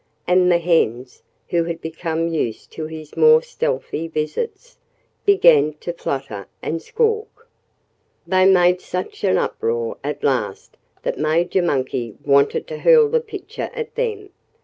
And the hens, who had become used to his more stealthy visits, began to flutter and squawk. They made such an uproar at last that Major Monkey wanted to hurl the pitcher at them.